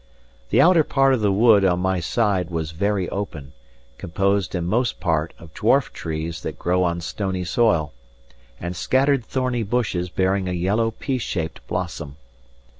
The outer part of the wood on my side was very open, composed in most part of dwarf trees that grow on stony soil, and scattered thorny bushes bearing a yellow pea shaped blossom.